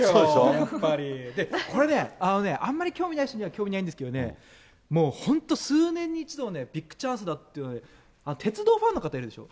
やっぱり、これね、あんまり興味ない人には興味ないんですけど、もう本当、数年に一度ビッグチャンスだっていうのが鉄道ファンの方いるでしょ。